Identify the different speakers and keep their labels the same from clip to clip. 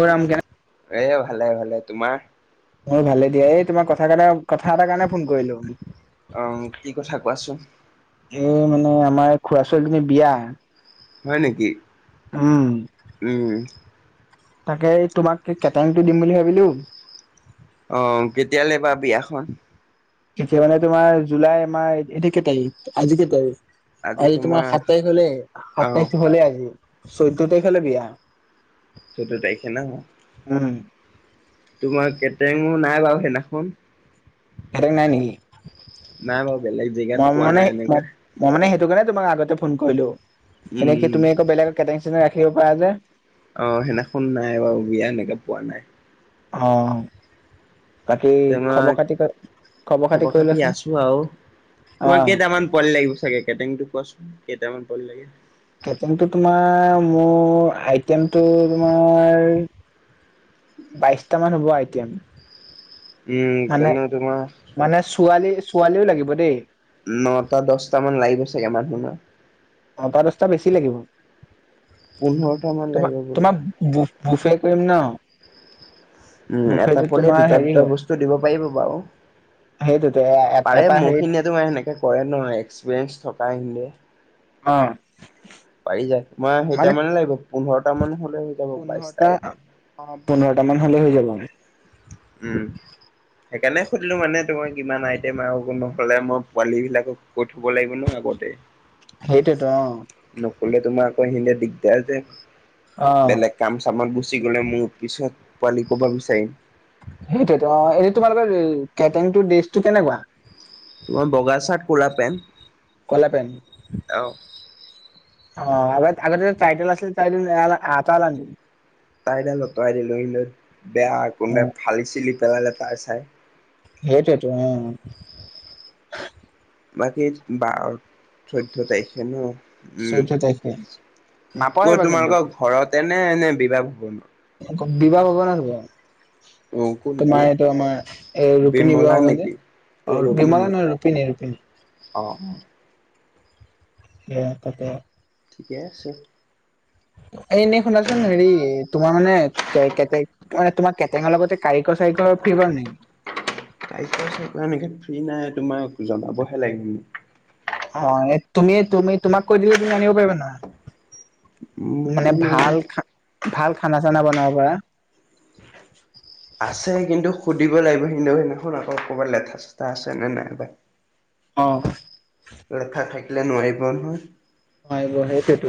Speaker 1: ঘৰাম গে
Speaker 2: এ ভালে ভালে তোমাৰ
Speaker 1: মোৰ ভালে দিয়া এই তোমাৰ কথা কৈইতা কথা এটাৰ কাৰণে ফোন কৰিলো মই
Speaker 2: অ' কি কথা কোৱাচোন
Speaker 1: এই মানে আমাৰ খুৰা ছোৱালীজনী বিয়া
Speaker 2: হয় নেকি
Speaker 1: উম
Speaker 2: উম
Speaker 1: তাকে তোমাক কেটাৰিংটো দিম বুলি ভাবিলোও
Speaker 2: অ', কেতিয়ালৈ বা বিয়াখন
Speaker 1: এতিয়া মানে তোমাৰ জুলাই আমাৰ এতিয়া কেই তাৰিখ আজি কেই তাৰিখ আজি তোমাৰ সাত তাৰিখ হলে সাত
Speaker 2: আহ
Speaker 1: তাৰিখ হলে আজি চৈধ্য তাৰিখ হলে বিয়া
Speaker 2: চৈধ্য তাৰিখে ন
Speaker 1: উম
Speaker 2: তোমাৰ কেটেৰিঙো নাই বাৰু সেইদিনাখন
Speaker 1: হাৰে নাই নেকি
Speaker 2: নাই বাৰু বেলেগ
Speaker 1: মই
Speaker 2: জেগাত পোৱা
Speaker 1: মানে
Speaker 2: নাই এনেকা
Speaker 1: মই মানে সেইটো কাৰণে তোমাক আগতে ফোন কৰিলো এনেকে কি
Speaker 2: উম
Speaker 1: তুমি আকৌ বেলেগটং চেটং ৰাখিব পাৰা যে
Speaker 2: অ সেইদিনা খোন নাই বাৰু বিয়া সেনেকাে পোৱা নাই
Speaker 1: অ বাকী
Speaker 2: তোমাৰ
Speaker 1: খবৰ খাতি খবৰ
Speaker 2: খবৰ
Speaker 1: খাতি কৰিলেচোন
Speaker 2: আছো আৰু তোমাৰ কেইটামান পোৱিলি লাগিব চাগে কেটাৰি কোৱাচোন কেইটামান পলি লাগে
Speaker 1: কেটেৰিংটো তোমাৰ মোৰ আইটেমটো তোমাৰ বাইশটা মান হ'ব আইটিম
Speaker 2: উম তেনে তোমাৰ
Speaker 1: মানে ছোৱালী ছোৱালীও লাগিব দেই
Speaker 2: নটা দহটা মান লাগিব চাগে মানুহ না
Speaker 1: নটা দচটা বেছি লাগিব
Speaker 2: পোন্ধৰটা মান লাগিব বোলা
Speaker 1: বিছাৰ কৰিম ন
Speaker 2: উম এটা
Speaker 1: বুফেটো
Speaker 2: পলে
Speaker 1: তোমাৰ
Speaker 2: দুটা
Speaker 1: হেৰি
Speaker 2: দুটা বস্তু দিব পাৰিব বাৰু
Speaker 1: সেইটোতে
Speaker 2: পাৰে
Speaker 1: এটা হেৰিত
Speaker 2: মোৰখিনিয়ে তোমাৰ সেনেকে কৰে নহয় এক্সপিৰিয়েঞ্চ থকািে
Speaker 1: হ
Speaker 2: পাৰি যায় মোমাৰ সেইট মানে লাগিব পোন্ধৰটা মান হলে হৈ যাব
Speaker 1: পোন্ধৰটা
Speaker 2: বাইশটা এ
Speaker 1: অ পোন্ধৰটা মান হ'লে হৈ যাব আৰু
Speaker 2: উম সেইকাৰণে সুধিলো মানে তোমাৰ কিমান আইটেম আৰু নহ'লে মই পোৱালী বিলাকক কৈ থব লাগিব ন আগতে
Speaker 1: সেইটেত অ
Speaker 2: নকলে তোমাৰ আকৌ সে দিগদাৰ যে
Speaker 1: অ
Speaker 2: বেলেগ কাম চামত গুচি গ'লে মোৰ পিছত পোৱালি ক'ব বিচাৰিম
Speaker 1: সেইটোতো অ এইটো তোমালোকৰ কেটো কেনেকুৱা
Speaker 2: তোমাৰ বগা চাৰ্ট কলা পেণ্ট
Speaker 1: কলপ
Speaker 2: অ
Speaker 1: অ আগ আগতে যে টাইটল আছিল ত আ আল ন
Speaker 2: তাই দ লতুৱাই দিলোহিলৈ বেয়া
Speaker 1: অ
Speaker 2: কোনোবাই ফালি চিলি পেলালে তাই চাই
Speaker 1: সেইটোৱেতো অ
Speaker 2: বাকী বাৰ চৈধ্যয় তাৰিখে ন উম
Speaker 1: চৈধ্য তাৰিখে
Speaker 2: ঠিকে আছে ত
Speaker 1: নাপাহৰিবা কিন্তু
Speaker 2: তোমালোকৰ ঘতে এনে এনে বিবাহ হব নোৱাৰো
Speaker 1: বিবাহ হব নাই নকুৱ
Speaker 2: অ কোনটো
Speaker 1: তোমাৰ এইটো আমাৰ এই ৰৰুপিনী
Speaker 2: বিমলা
Speaker 1: বিবাহ হ মানে
Speaker 2: নেকি? অ ৰুক্মিণী
Speaker 1: বিমালা নহয় ৰুপিনী ৰূপিনী
Speaker 2: অ অ
Speaker 1: স ততে
Speaker 2: ঠিকে আছে
Speaker 1: এনে শুনাচোন হেৰি তোমাৰ মানে কে তাৰানে তোমাৰ কেটেঙৰ লগতে কাৰিকৰ চাৰিকৰ ফৰিব নেকি
Speaker 2: নেকে ফ্ৰী নাই তোমাক জনাবহে লাগে মোক
Speaker 1: অ তুমি তুমি তোমাক কৈ দিলে তুমি আনিব পাৰিবা নহয়
Speaker 2: মোৰ
Speaker 1: মানে
Speaker 2: তোমাৰ
Speaker 1: ভাল খ ভাল খানা চানা বনাব পৰা
Speaker 2: আছে কিন্তু সুধিব লাগিব সিন্তু সেইদিনাখন আকৌ ক'ৰবাত লেঠা চেঠা আছেনে নাই বাই
Speaker 1: অ',
Speaker 2: লেখা থাকিলে নোৱাৰিব নহয়।
Speaker 1: অ', হয় সেই সেইটো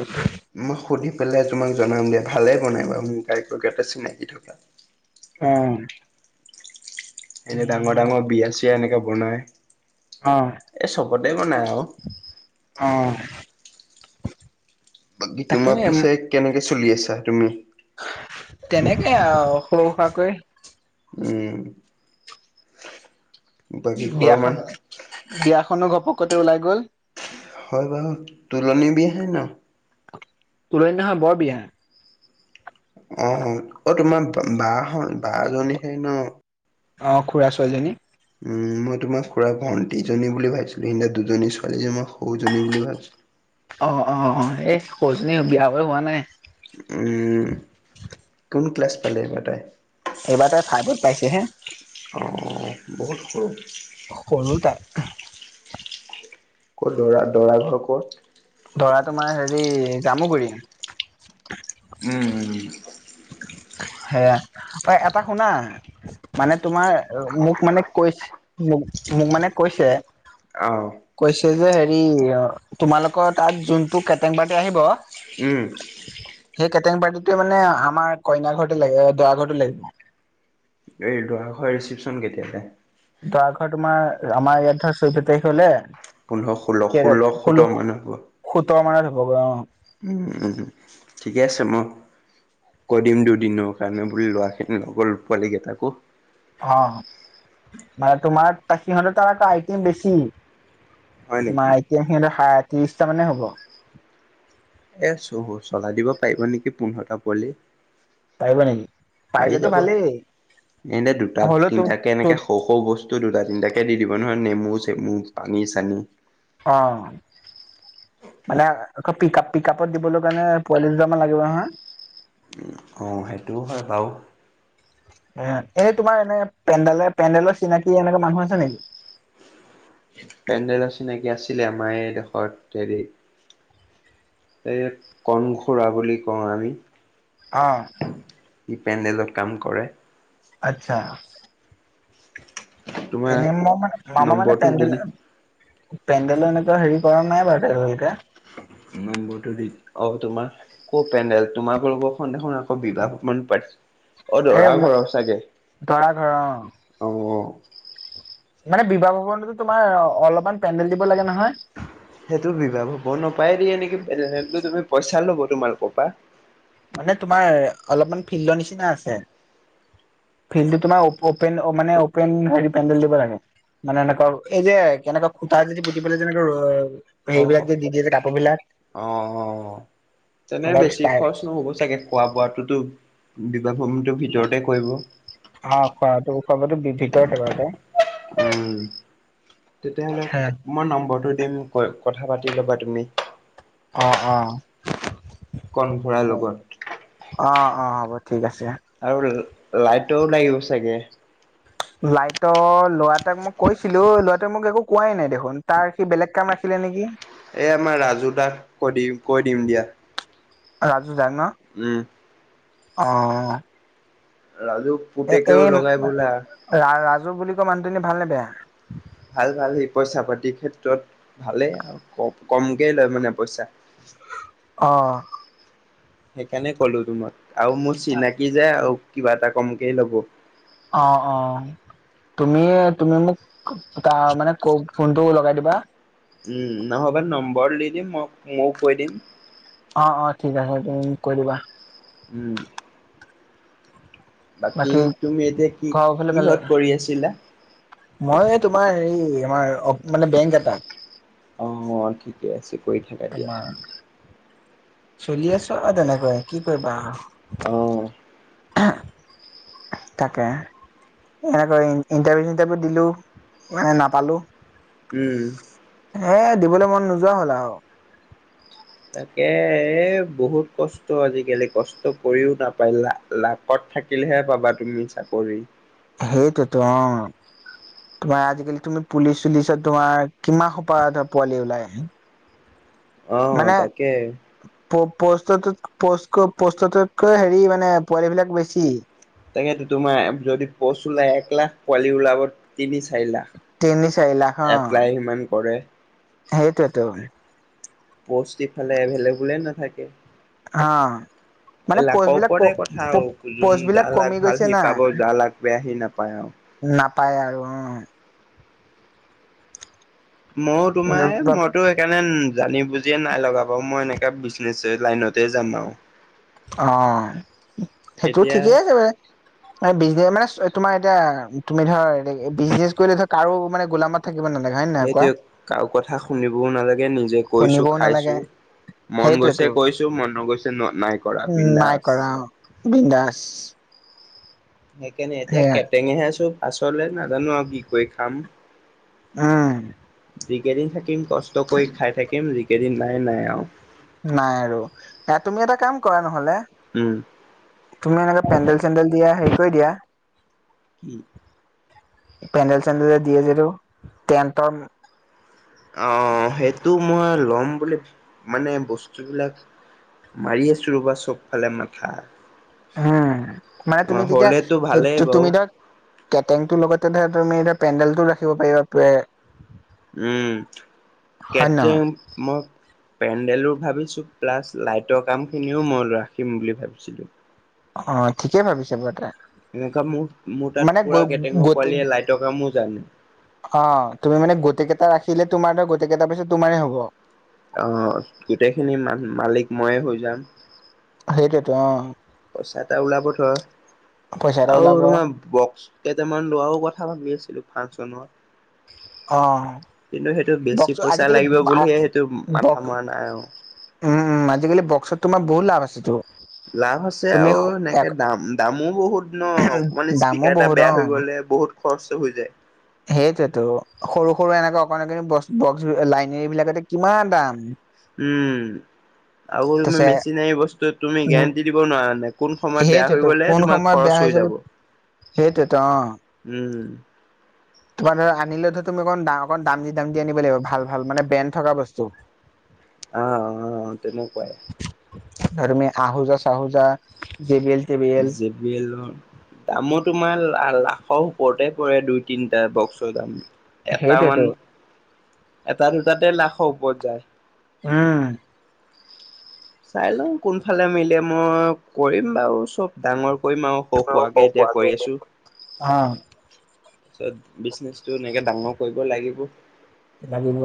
Speaker 2: মই সুধি পেলাই তোমাক জনাম দিয়া, ভালে বনাই বাৰু মোৰ গাইকতে চিনাকি থকা।
Speaker 1: অ'।
Speaker 2: এনে
Speaker 1: তুমি
Speaker 2: ডাঙৰ ডাঙৰ বিয়া-চিয়াত এনেকে বনায়।
Speaker 1: অঁ, অঁ।
Speaker 2: বাকী তোমাৰ পিছে কেনেকে চলি আছা, তুমি?
Speaker 1: তেনেকে আৰু সৰু-সুৰকৈ।
Speaker 2: উম। বাকী ঘৰৰ মান
Speaker 1: বিয়াখনো, বিয়াখনো ঘপকতে ওলাই গ'ল।
Speaker 2: হয় বাৰু, তোলনি বিয়াহে ন'?
Speaker 1: তুলনি নহয় বৰ বিয়া।
Speaker 2: অ অ', অ' তোমাৰ বা বা জনীহে ন'?
Speaker 1: অ', খুৰাৰ ছোৱালীজনী।
Speaker 2: উম মই তোমাৰ খুৰা ভন্টিজনী বুলি ভাবিছিলো, সেইদিনা দুজনী ছোৱালীজনীৰ মই সৰুজনী বুলি ভাবিছিলোঁ।
Speaker 1: অঁ অঁ অঁ এই সৰুজনী বিয়া হ'ব হোৱা নাই।
Speaker 2: উম, কোন ক্লাছ পালে, এইিবাৰ তাই?
Speaker 1: এইবাৰ তাই ফাইভত পাইছেহে।
Speaker 2: অঁ বহুত সৰু।
Speaker 1: সৰু তাই।
Speaker 2: ক'ত দৰা দৰা ঘৰ ক'ত?
Speaker 1: দৰা তোমাৰ হেৰি, জামুগুৰি।
Speaker 2: উম উম।
Speaker 1: সেয়া, অ', এটা শুনা মানে তোমাৰ মোক মানে কৈছে, মোক মোক মানে কৈছে
Speaker 2: অঁ।
Speaker 1: কৈছে, যে হেৰি তোমালোকৰ তাত যোনটো কেটেং পাৰ্টি আহিব
Speaker 2: উম।
Speaker 1: সেই কেটেং পাৰ্টিটোৱে মানে আমাৰ কইনা ঘৰতে লাগে দৰা ঘৰটো লাগিব
Speaker 2: এই দৰা ঘৰৰ ৰিচিপশ্যন কেতিয়ালে?
Speaker 1: দৰা ঘৰ তোমাৰ, আমাৰ ইয়াত ধৰা চৈধ্য তাৰিখ হলে
Speaker 2: পোন্ধৰ, ষোল্ল, ষোল্ল সোতৰ' মানত হ'ব।
Speaker 1: সোতৰ মানত হ'ব অঁ'।
Speaker 2: উম, ঠিকে আছে উম। কৈ দিম দুদিনৰ কাৰণে বুলি ল'ৰাখিনি লগৰ পোৱালীকেইটাকো।
Speaker 1: অ', মানে তোমাৰ সিহঁতৰতাত আইটিম বেছি।
Speaker 2: হয় নেকি?
Speaker 1: তোমাৰ এতিয়া, সিহঁতৰ ত্ৰিশটা মানে হ'ব।
Speaker 2: এ, চলাই দিব পাৰিব নেকি? পোন্ধৰটা পোৱালি।
Speaker 1: পাৰিব নেকি
Speaker 2: পাৰি
Speaker 1: পাৰিলেতো
Speaker 2: যাব,
Speaker 1: ভালেই
Speaker 2: এনে দুটা
Speaker 1: হ'লেও তো
Speaker 2: তিনটাকে
Speaker 1: তো
Speaker 2: এনেকে সৰু সৰু বস্তু, দুটা তিনিটাকে দি দিব নহয় নেমু-চেমু, পানী-চানী।
Speaker 1: অঁ। মানে আকৌ পিক আপ পিক আপত দিবলৈ কাৰণে পোৱালি দুটামান লাগিব নহয়।
Speaker 2: অঁ সেইটোও হয় বাৰু।
Speaker 1: এ এনে তোমাৰ এনে পেণ্ডেলৰ পেণ্ডেলৰ চিনাকি এনেকুৱা মানুহ আছে নেকি?
Speaker 2: পেণ্ডেলৰ চিনাকি আছিলে আমাৰ এই দোখত হেৰি এই, কণখুৰা বুলি কওঁ আমি।
Speaker 1: অঁ।
Speaker 2: ই পেণ্ডেলত কাম কৰে।
Speaker 1: আচ্ছা।
Speaker 2: তোমাৰ
Speaker 1: এনে ম-মানে, মমা, মানে তে
Speaker 2: নম্বৰটো দি দিম
Speaker 1: পেণ্ডেলো এনেকুৱা হেৰি কৰা নাই বাৰু তেলকে
Speaker 2: নম্বৰটো দি অ, তোমাৰ ক, পেডেল তোমাৰ লগৰখন দেখোন আকৌ বিবাহমণ পাছ অ,
Speaker 1: এই
Speaker 2: দৰা ঘৰৰ চাগে।
Speaker 1: দৰা ঘৰ অ'।
Speaker 2: অ'।
Speaker 1: মানে বিবাহ ভৱনতো তোমাৰ অলপমান পেণ্ডেল দিব লাগে নহয়।
Speaker 2: সেইটো বিভাহ হ'ব নাপায় দিয় এ নেকি তুম পইচা ল'ব তোমালোকৰ পৰা।
Speaker 1: মানে তোমাৰ অলপমান ফিল্ডৰ নিচিনা আছে। ফিল্ড তোমাৰপেন মানে অপেন হে পেডেল দিব লাগে। মানে এনেকুৱা এই যে কেনেকুৱা খুটা যদি পুতি পেলাই যেনেকে
Speaker 2: অ',
Speaker 1: হেৰিবিলাক
Speaker 2: অ',
Speaker 1: যে দি দিয়ে যে কাপোৰ বিলাক
Speaker 2: অ', তেনে
Speaker 1: অলপ
Speaker 2: বেছি
Speaker 1: ষ্টাই
Speaker 2: খৰচ নহ'ব চাগে। খোৱা-বোৱটোতো বিবাহ ভূমিটো ভিতৰতে কৰিব।
Speaker 1: অ, খোৱাাতটো, খোৱাবো ভিতৰত থে ব এটা।
Speaker 2: উম তেতিয়াহ'লে মই নম্বৰটো দিম ক কথা পাতি ল'বা তুমি।
Speaker 1: অ', অ'।
Speaker 2: কণফোৰাৰ লগত।
Speaker 1: অ', অ', হ'ব ঠিক আছে।
Speaker 2: আৰু লাইটও লাগিব চাগে।
Speaker 1: লাইটৰ ল'ৰাটাক মই কৈছিলোঁ লৰাটোৱোক মোক একো কোৱাই নাই দেখোন তাৰ সি বেলেগ কাম ৰাখিলে নেকি।
Speaker 2: এই আমাৰ ৰাজু তাক কৈ দিম, কৈ দিম দিয়া।
Speaker 1: ৰাজু দা ন
Speaker 2: উম
Speaker 1: অ'।
Speaker 2: ৰাজু
Speaker 1: এ,
Speaker 2: পুতেকেও লগাই বোলা
Speaker 1: এই ৰাজু বুলি কয় মানুহজনী ভালনে, বেয়া?
Speaker 2: ভাল, ভাল সি পইচা পাতিৰ ক্ষেত্ৰত ভালেই আৰু কমকে লয় মানে পইচা।
Speaker 1: অ'।
Speaker 2: সেইকাৰণে ক'লো তোমাক আৰু মোৰ চিনাকি যে আৰু কিবা এটা কমকেই ল'ব।
Speaker 1: অ', অ', তুমি, তুমি মোক তাৰ মানে ক, ফোনটো লগাই দিবা।
Speaker 2: উম, নহ'বা নম্বৰ দি দিম মই ময় কৈ দিম।
Speaker 1: অ', অ', ঠিক আছে তুমোক কৈ দিবা।
Speaker 2: উম। বাকী তুমি এতিয়া কি
Speaker 1: ঘৰৰ ফালে ভালে?
Speaker 2: কিহত কৰি আছিলা?
Speaker 1: মই তোমাৰ হ আমাৰ মানে বেংক এটাত
Speaker 2: অ, ঠিকে আছে, কৰি থাকা দিয়া।
Speaker 1: তোমাৰ চলি আছো আৰু তেনেকৈ কি কৰিবা।
Speaker 2: অ'।
Speaker 1: তাকে। এনেকৈ ইণ্টাৰভিউ-চিণ্টাৰভিউ দিলো মানে নাপালো।
Speaker 2: উম।
Speaker 1: এ, দিবলৈ মন নোযোৱা হ'ল আৰু।
Speaker 2: তাকে এ, বহুত কষ্ট আজিকালি কষ্ট কৰিও নাপায় লা-লাভ কত থাকিলেহে পাবা তুমি চাকৰি।
Speaker 1: সেইটোতো অ'। তোমাৰ আজিকালি তুমি পুলিচ-চুলিচত তোমাৰ কিমান সোপাহ ধৰা পোৱালি ওলাই আহে।
Speaker 2: অ, তাকে।
Speaker 1: পষ্টতকৈ হেৰি মানে পোৱালি বিলাক বেছি।
Speaker 2: তাকেতো তোমাৰ যদি পোষ্ট ওলাই এক লাখ পোৱালি ওলাব তিনি, চাৰি লাখ
Speaker 1: তিনি চাৰি
Speaker 2: এপ্লাই সিমান কৰে।
Speaker 1: সেইটোৱেটো।
Speaker 2: পোষ্ট ইফালে এভেইলেবলে নাথাকে
Speaker 1: হা
Speaker 2: এই
Speaker 1: মানে
Speaker 2: লাকৰ
Speaker 1: পোষ্টবিলাক ক
Speaker 2: ওপৰতে কথা আৰু যোন
Speaker 1: পোষ্টবিলাক
Speaker 2: যাৰ লাক
Speaker 1: কমি
Speaker 2: ভাল
Speaker 1: গৈছে
Speaker 2: সি
Speaker 1: না
Speaker 2: পাব যাৰ লাক বেয়া সি নাপায় আৰু
Speaker 1: নাপায় আৰু উ
Speaker 2: ময়ো তোমাৰ
Speaker 1: অ
Speaker 2: মইতো সেইকাৰণে জানি বুজিয়ে নাই লগাব মই এনেকে বিজনেচ লাইনতে যাম আৰু
Speaker 1: অ', সেইটো
Speaker 2: এতিয়া
Speaker 1: ঠিকেই আছে বাৰে বিজনে মানে, তোমাৰ এতিয়া তুমি ধৰ বিজনেছ কৰিলে ধৰ কাৰো মানে গোলামত থাকিব নেলাগে
Speaker 2: সেইটোৱে কাৰো কথা শুনিবও নালাগে নিজে কৈছো
Speaker 1: শুনিবও নালাগে
Speaker 2: খাইছো মন গৈছে কৈছো মন নগৈছে ন নাই কৰা
Speaker 1: উ নাই
Speaker 2: বিন্দাছ
Speaker 1: কৰা, বিন্দাছ
Speaker 2: সেইকাৰণে, এতিয়া কেটেঙেহে আছো পাছলে নাজানো আৰু কি কৰি খাম
Speaker 1: উম
Speaker 2: যিকেইদিন থাকিম কষ্ট কৰি খাই থাকিম যিকেইদিন নাই নাই আৰু
Speaker 1: নাই আৰু এ তুমি এটা কাম কৰা নহলে
Speaker 2: উম,
Speaker 1: তুমি এনেকে পেণ্ডেল চেণ্ডেল দিয়া হেৰি কৰি দিয়া
Speaker 2: কি [inaudible]
Speaker 1: পেণ্ডেল চেণ্ডেল দিয়ে যিটো টেণ্টৰ
Speaker 2: আহ সেইটো মই ল'ম বুলি মানে বস্তু বিলাক মাৰি আছো ৰবা চব ফালে মাথা
Speaker 1: উম, মানে তুমি
Speaker 2: হ'লেতো ভালেই
Speaker 1: তেতিয়া
Speaker 2: বাৰু
Speaker 1: তুমি ধৰা কেটেংটোৰ লগতে ধৰা তুমি এতিয়া পেণ্ডেল টোও ৰাখিব পাৰিবা
Speaker 2: উম,
Speaker 1: হয় নহয়
Speaker 2: কেটাৰিং মই পেণ্ডেলো ভাবিছো প্লাছ লাইটৰ কাম খিনিও মই ৰাখিম বুলি ভাবিছিলো
Speaker 1: অ' ঠিকেই ভাবিছে বাৰু
Speaker 2: এনেকা মোৰ মোৰ তাত
Speaker 1: মানে গ
Speaker 2: পুৰা কেটাৰিংৰ
Speaker 1: গোটেই
Speaker 2: পোৱালি লাইটৰ কামো জানে
Speaker 1: অ' তুমি মানে গোটেই কেইটা ৰাখিলে তোমাৰ ধৰা গোটেই কেইটা পিছত তোমাৰ হব
Speaker 2: অ' গোটেইখিনি মান মালিক মই হৈ যাম
Speaker 1: সেইটেতো অ'
Speaker 2: পইচা এটা ওলাব ধৰা
Speaker 1: পইচা এটা
Speaker 2: আৰু
Speaker 1: ওলাব
Speaker 2: তোমাৰ বক্স কেইটামান লোৱাও কথা ভাবি আছিলো ফাংচনত
Speaker 1: অ'
Speaker 2: কিন্তু সেইটো বেছি
Speaker 1: বক্স
Speaker 2: পইচা
Speaker 1: আজিকালি
Speaker 2: লাগিব বুলিহে সেইটো মাথা
Speaker 1: বক্স
Speaker 2: মৰা নাই আৰু
Speaker 1: উম, উম, আজিকালি বক্সত তোমাৰ বহুত লাভ আছেতো
Speaker 2: লাভ আছে
Speaker 1: তুমি
Speaker 2: আৰু এনেকে দাম দামো বহুত ন অকমান
Speaker 1: দামো
Speaker 2: স্পিকাৰ এটা
Speaker 1: বহুত
Speaker 2: বেয়া
Speaker 1: অ
Speaker 2: হৈ গ'লে বহুত খৰচ হৈ যায়।
Speaker 1: সেইটোৱেতো সৰু সৰু এনেকে অকন বক্স লাইনেৰ বিলাক কিমান দাম
Speaker 2: উম আকৌ তুমি
Speaker 1: তাৰপিছে
Speaker 2: মেচিন বস্তু তুমি
Speaker 1: উম
Speaker 2: গেৰাণ্টি দিব নোৱাৰা মানে কোন সময়ত বেয়া হৈ গলে তোমাৰ খৰচ হৈ যাব
Speaker 1: সেইটোৱেটো অ'
Speaker 2: উম
Speaker 1: তোমাৰ ধৰ আনিলে তুমি অকণ অণ দাম দি দাম দি আনিব লাগিব ভাল ভাল মানে ব্ৰেণ্ড থকা বস্তু
Speaker 2: আহ অ' তেনেকুৱাই
Speaker 1: ধৰা আহোজা চাহোজা জেবিএল তেবেল
Speaker 2: বেলণ [inaudible] দামো তোমাৰ লাখৰ ওপৰতে পৰে দুই তিনটা বক্সৰ দাম এট মান,
Speaker 1: সেইটোৱেতো
Speaker 2: এটা দুটাতে লাখৰ ওপৰত যায়
Speaker 1: উম
Speaker 2: চাই লওঁ কোনফালে মিলে মই কৰিম বাৰু চব ডাঙৰ কৰিম আৰু সৌ হোৱাকে এতিয়া কৰি
Speaker 1: অ
Speaker 2: আছো তাৰপিছত বিজনেচো এনেকে ডাঙৰ কৰিব লাগিব
Speaker 1: লাগিব।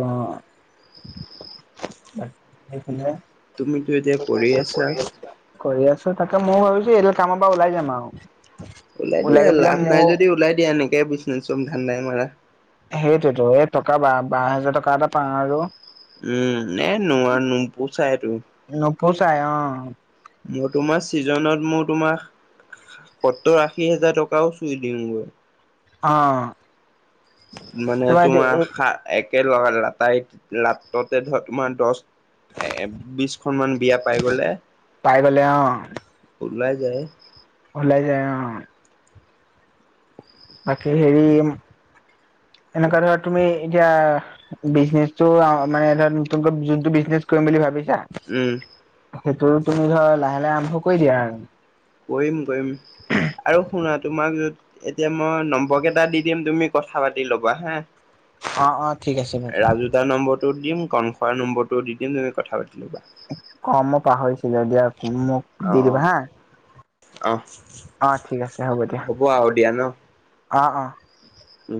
Speaker 2: তুমিতো এতিয়া কৰি আছা
Speaker 1: [unintelligible] কৰি আছো তাকে মই ভাবিছো এইদাল কামৰ পৰা ওলাই যাম আৰু
Speaker 2: ওলাই দিয়া
Speaker 1: গৈ পেলাই
Speaker 2: লাভ নাই
Speaker 1: মোৰ
Speaker 2: যদি ওলাই দিয়া এনেকে বিছনেছৰ ধান্দাই মাৰা
Speaker 1: সেইটোতো এ টকা বা বাৰ হোজাৰ টকা এটা পাওঁ আৰু
Speaker 2: উম এ নোৱাৰ নোপুচাই এইটো
Speaker 1: নুপুচাই অ'
Speaker 2: মোৰ তোমাৰ ছিজনত মোৰ তোমাৰ সত্তৰ আশী হোজাৰ টকাও চুই দিমগৈ
Speaker 1: অ'
Speaker 2: মানে তোমাৰ একো লাটাৰ লাটতে ধৰ তোমাৰ দহ এ বিশ খন মান বিয়া পাই গলে
Speaker 1: পাই গলে অ
Speaker 2: ওলাই যায়
Speaker 1: ওলাই যায় অ' বাকী হেৰি এনেকুৱা ধৰ তুমি এতিয়া বিজনেচটো মানে ধৰ নতুনকৈ যোনটো বিজনেছ কৰিম বুলি ভাবিছা
Speaker 2: উম
Speaker 1: সেইটো তুমি ধৰ লাহে লাহে আৰম্ভ কৰি দিয়া আৰু
Speaker 2: কৰিম কৰিম আৰু শুনা তোমাক যত এতিয়া মই নম্বৰ কেইটা দি দিম তুমি কথা পাতি ল'বা হা
Speaker 1: অ', অ', ঠিক আছে
Speaker 2: অডাৰ নম্বৰটো দিম কনফাৰ্ম নম্বৰটো দি তুমি কথা পাতি ল'বা
Speaker 1: অ', মই পাহৰিছিলো দিয়া মোক
Speaker 2: অ
Speaker 1: দি দিবা হা অ', ঠিক আছে হ'ব দিয়া
Speaker 2: বাহ দিয়া ন
Speaker 1: অ', অ'
Speaker 2: উম